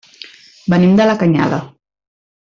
Venim de la Canyada.